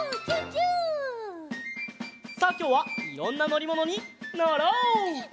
さあきょうはいろんなのりものにのろう！